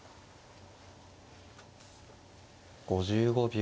５５秒。